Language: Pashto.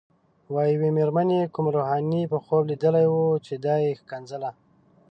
وايي یوې مېرمنې کوم روحاني په خوب لیدلی و چې دا یې ښکنځله.